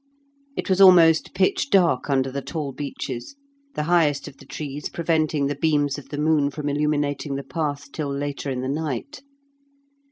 It was almost pitch dark under the tall beeches, the highest of the trees preventing the beams of the moon from illuminating the path till later in the night.